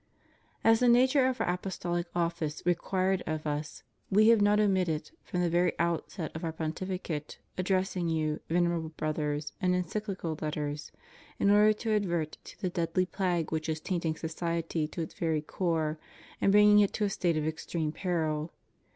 As the nature of Our Apostolic office required of Us, We have not omitted, from the very outset of Our Pon tificate, addressing you, Venerable Brothers, in Encyclical Letters, in order to advert to the deadly plague which is tainting society to its very core and bringing it to a state of extreme peril.